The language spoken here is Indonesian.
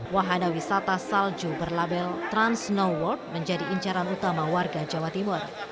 wahana wisata salju berlabel trans snow world menjadi incaran utama warga jawa timur